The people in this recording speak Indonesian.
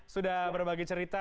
sudah berbagi cerita